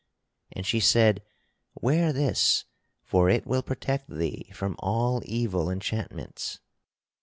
And she said: "Wear this for it will protect thee from all evil enchantments."